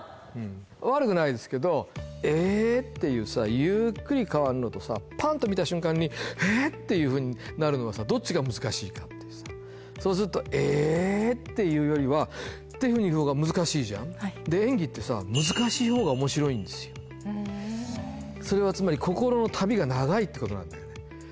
悪くないですけど「えっ」ていうゆっくり変わるのとさパンと見た瞬間に「えっ」ていうふうになるのはさどっちが難しいかっていうとさそうすると「えっ」ていうよりは「えっ」ていう方が難しいじゃんそれはつまり心の旅が長いってことなんだよね